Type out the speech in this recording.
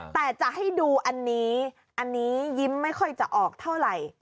แต่จะให้ดูอันนี้อันนี้ยิ้มไม่ค่อยจะออกเท่าไหร่